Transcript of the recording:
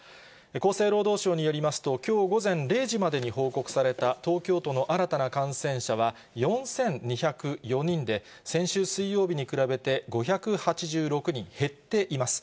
厚生労働省によりますと、きょう午前０時までに報告された、東京都の新たな感染者は、４２０４人で、先週水曜日に比べて５８６人減っています。